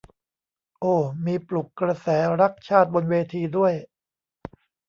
โอ้ มีปลุกกระแสรักชาติบนเวทีด้วย